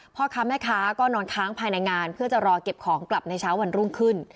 พ่อค้าแม่ค้าก็นอนค้างภายในงานเพื่อจะรอเก็บของกลับในเช้าวันรุ่งขึ้น